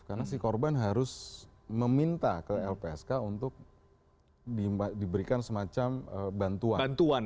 karena si korban harus meminta ke lpsk untuk diberikan semacam bantuan